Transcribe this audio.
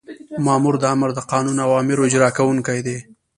مامور د آمر د قانوني اوامرو اجرا کوونکی دی.